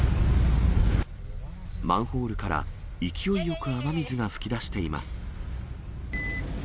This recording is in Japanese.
マンホールから、勢いよく雨水が噴き出しています。